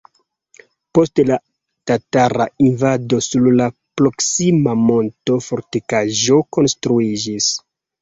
Post la tatara invado sur la proksima monto fortikaĵo konstruiĝis.